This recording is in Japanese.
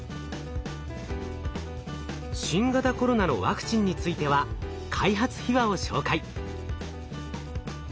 新型コロナのワクチンについては開発秘話を紹介。